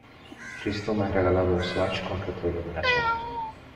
Risto me ha regalado un Swatch con retroiluminación.